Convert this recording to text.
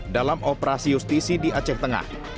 dalam operasi justisi di aceh tengah